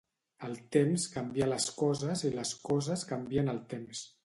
El temps canvia les coses i les coses canvien el temps.